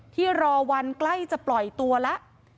ที่รอวันใกล้จะปล่อยตัวแล้ว